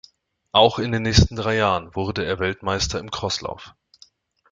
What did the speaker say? Auch in den nächsten drei Jahren wurde er Weltmeister im Crosslauf.